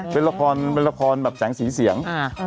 เป็นละครแสงสีเสียง